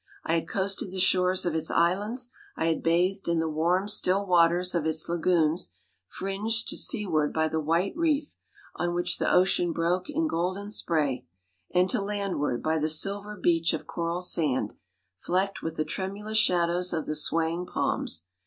I had coasted the shores of its islands, I had bathed in the warm, still waters of its lagoons, fringed to seaward by the white reef, on which the ocean broke in golden spray, and to landward by the silver beach of coral sand, flecked with the tremulous shadows of the swaying palms.